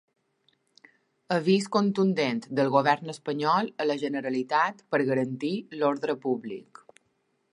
Avís contundent del govern espanyol a la Generalitat per garantir l'ordre públic